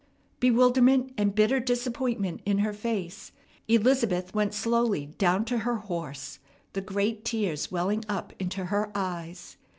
Bewilderment and bitter disappointment in her face, Elizabeth went slowly down to her horse, the great tears welling up into her eyes.